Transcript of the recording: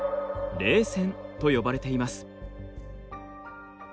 と呼ばれています。